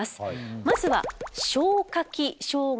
まずは消化器障害型。